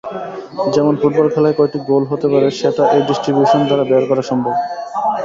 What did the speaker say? যেমন ফুটবল খেলায় কয়টি গোল হতে পারে সেটা এই ডিস্ট্রিবিউশন দ্বারা বের করা সম্ভব।